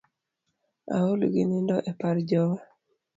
Aol gi nindo e par jowa.